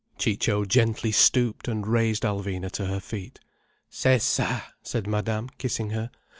Ciccio gently stooped and raised Alvina to her feet. "C'est ça!" said Madame, kissing her.